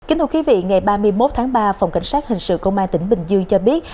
kính thưa quý vị ngày ba mươi một tháng ba phòng cảnh sát hình sự công an tỉnh bình dương cho biết